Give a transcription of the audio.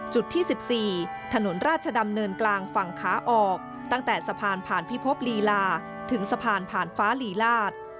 จุดที่๑๔ถนนราชดำเนินกลางฝั่งขาออกตั้งแต่สะพานผ่านพิภพลีลาถึงสะพานผ่านฟ้าลีลาศ